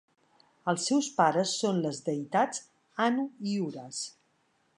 Els seus pares són les deïtats Anu i Uras.